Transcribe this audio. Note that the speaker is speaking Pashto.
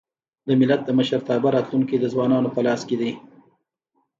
د ملت د مشرتابه راتلونکی د ځوانانو په لاس کي دی.